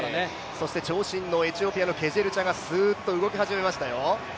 そして長身のエチオピアのケジェルチャがすーっと動き始めましたよ。